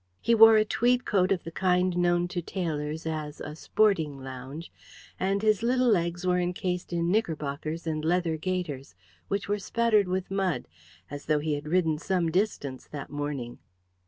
He wore a tweed coat of the kind known to tailors as "a sporting lounge," and his little legs were encased in knickerbockers and leather gaiters, which were spattered with mud, as though he had ridden some distance that morning.